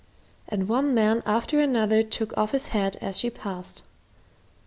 and one man after another took off his hat as she passed.